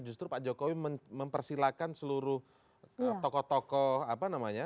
justru pak jokowi mempersilahkan seluruh tokoh tokoh apa namanya